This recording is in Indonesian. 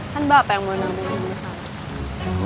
kan bapak yang mau nanggul kamu sama aku